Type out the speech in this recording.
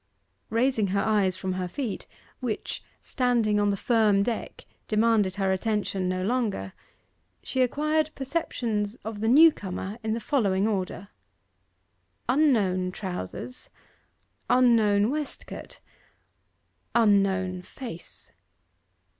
Raising her eyes from her feet, which, standing on the firm deck, demanded her attention no longer, she acquired perceptions of the new comer in the following order: unknown trousers; unknown waistcoat; unknown face.